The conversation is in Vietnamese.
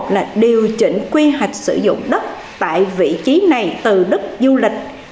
là điều chỉnh quy hoạch sử dụng đất tại vị trí này từ đất du lịch sang nhà ở